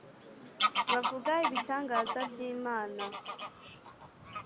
Bavuga ibitangaza by imana